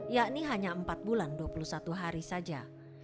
yakni hanya empat bulan dua puluh satu hari saja